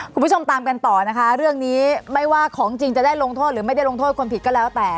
คุณผู้ชมตามกันต่อนะคะเรื่องนี้ไม่ว่าของจริงจะได้ลงโทษหรือไม่ได้ลงโทษคนผิดก็แล้วแต่